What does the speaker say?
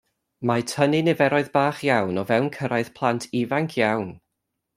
Mae tynnu niferoedd bach iawn o fewn cyrraedd plant ifanc iawn.